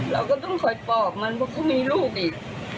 เราก็ต้องคอยปอบมันเพราะเขามีลูกอีก